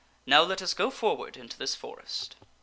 Now let us go forward into this forest."